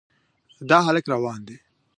دا هلک روان دی.